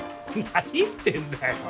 何言ってんだよ。